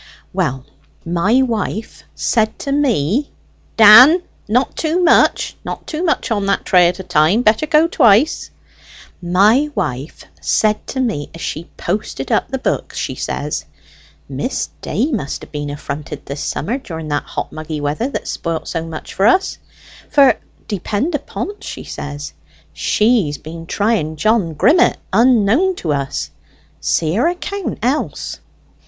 "Well, my wife said to me (Dan! not too much, not too much on that tray at a time; better go twice) my wife said to me as she posted up the books: she says, 'Miss Day must have been affronted this summer during that hot muggy weather that spolit so much for us; for depend upon't,' she says, 'she've been trying John Grimmett unknown to us: see her account else.'